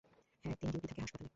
হ্যাঁ, একদিন ডিউটি থাকে হাসপাতালে।